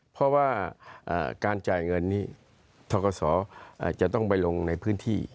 เพราะว่าการจ่ายเงินนี้ทกศจะต้องไปลงในพื้นที่